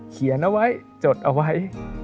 เขียนเอาไว้จดเอาไว้